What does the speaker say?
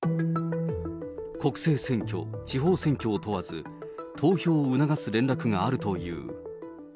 国政選挙、地方選挙を問わず、投票を促す連絡があるという。